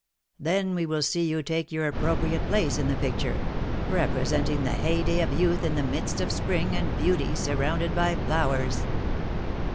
Then we will see you take your appropriate place in the picture, representing the heyday of youth in the midst of spring, and beauty, surrounded by flowers."